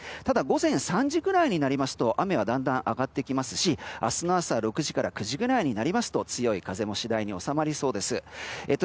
ただ、午前３時くらいなると雨はだんだんと上がってきますし明日の朝６時から９時くらいになりますと強い風も次第に収まりそうです。